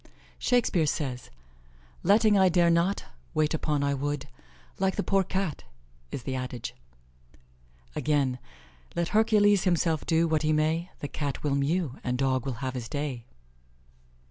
Shakespeare says: "Letting 'I dare not' wait upon 'I would,' Like the poor Cat i'the adage." Again: "Let Hercules himself do what he may, The Cat will mew, and Dog will have his day."